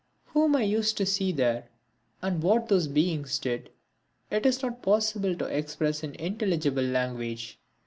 Whom I used to see there, and what those beings did, it is not possible to express in intelligible language.